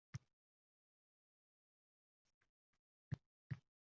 Bogʻdagi eng katta qafas olib kelinib, hovuz ichiga qoʻyildi